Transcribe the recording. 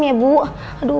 waalaikumsalam ya bu